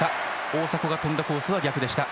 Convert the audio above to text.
大迫が飛んだコースは逆でした。